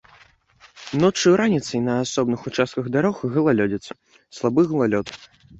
Ноччу і раніцай на асобных участках дарог галалёдзіца, слабы галалёд.